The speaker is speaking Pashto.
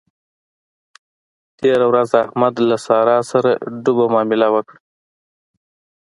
تېره ورځ احمد له له سارا سره ډوبه مامله وکړه.